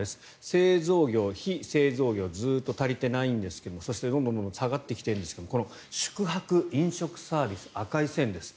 製造業、非製造業ずっと足りてないんですがそして、どんどん下がってきているんですが宿泊・飲食サービス赤い線です。